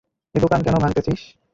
এ দোকান কেন ভাঙতেছিস?